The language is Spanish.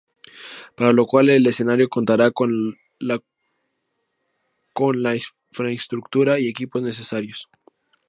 Para lo cual el escenario contará con la con la infraestructura y equipos necesarios.